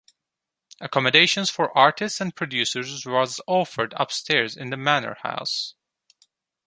Accommodation for artists and producers was offered upstairs in the manor house.